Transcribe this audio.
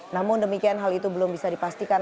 namun demikian hal itu belum bisa dipastikan